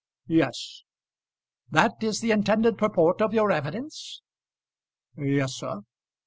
"Yes." "That is the intended purport of your evidence?" "Yes, sir."